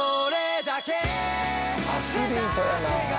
「アスリートやなぁ」